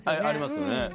ありますよね。